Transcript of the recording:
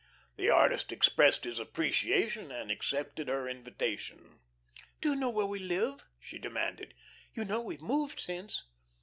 The artist expressed his appreciation and accepted her invitation. "Do you know where we live?" she demanded. "You know we've moved since."